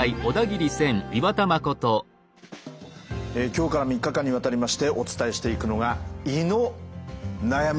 今日から３日間にわたりましてお伝えしていくのが「胃の悩み」です。